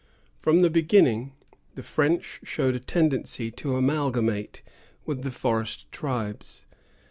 From the beginning, the French showed a tendency to amalgamate with the forest tribes.